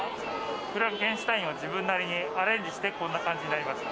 フランケンシュタインを自分なりにアレンジしてこんな感じになりました。